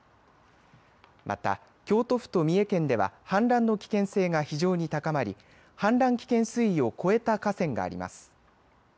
また京都府と三重県では氾濫の危険性が非常に高まり氾濫危険水位を超えた河川があります。